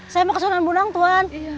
saya mau ke sunan bonang tuan